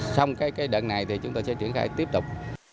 xong cái đợt này thì chúng tôi sẽ triển khai tiếp tục